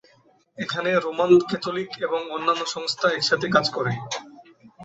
এখানে Roman Catholic এবং অন্যান্য সংস্থা একসাথে কাজ করে।